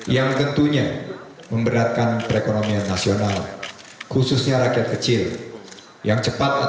yang tentunya memberatkan perekonomian nasional khususnya rakyat kecil yang cepat